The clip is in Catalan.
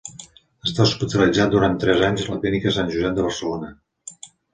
Està hospitalitzat durant tres anys a la Clínica sant Josep de Barcelona.